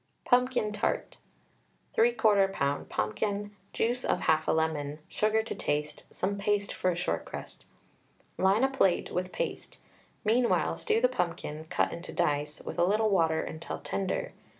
PUMPKIN TART. 3/4 lb. pumpkin, juice of 1/2 a lemon, sugar to taste, some paste for short crust. Line a plate with paste. Meanwhile, stew the pumpkin, cut into dice, with a little water until tender.